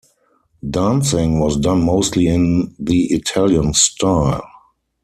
Dancing was done mostly in the Italian style.